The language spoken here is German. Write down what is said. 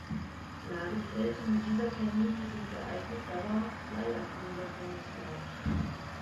Ladegeräte mit dieser Kennlinie sind geeignet, dauerhaft Bleiakkumulatoren zu laden.